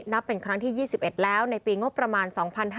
นับเป็นครั้งที่๒๑แล้วในปีงบประมาณ๒๕๕๙